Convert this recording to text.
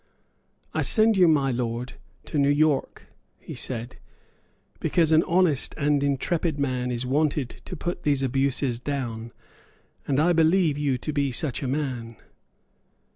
"I send you, my Lord, to New York," he said, "because an honest and intrepid man is wanted to put these abuses down, and because I believe you to be such a man."